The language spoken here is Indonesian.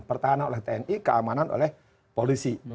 pertahanan oleh tni keamanan oleh polisi